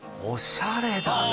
おしゃれだ。